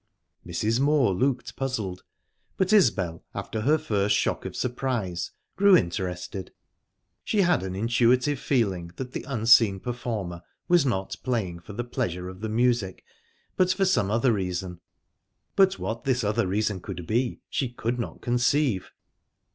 Mrs. Moor looked puzzled, but Isbel, after her first shock of surprise, grew interested. She had an intuitive feeling that the unseen performer was not playing for the pleasure of the music, but for some other reason; but what this other reason could be, she could not conceive...